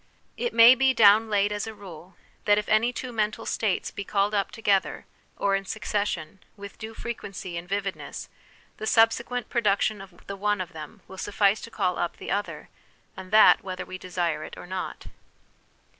It may be down laid as a rule, that if any two mental states be called up together, or in succession, with due frequency and vividness, the subsequent production of the one of them will suffice to call up the other, and that whether we desire it or not.